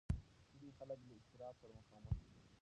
ځینې خلک له اضطراب سره مقاومت کوي.